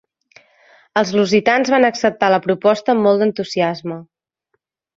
Els lusitans van acceptar la proposta amb molt d'entusiasme.